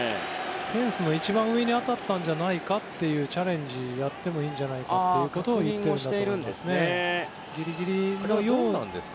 フェンスの一番上に当たったんじゃないかというチャレンジをやってもいいんじゃないかと言っているんだと思います。